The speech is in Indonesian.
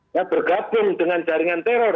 ya bergabung dengan jaringan teror